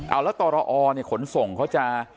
เอาแล้วตรอเนี่ยขนส่งเขาจะ